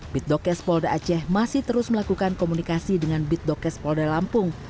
bitdokes polda aceh masih terus melakukan komunikasi dengan bitdokes polda lampung